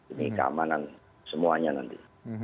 ini keamanan semuanya nanti